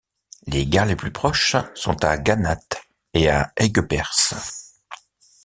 Les gares les plus proches sont à Gannat et à Aigueperse.